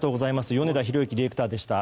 米田宏行ディレクターでした。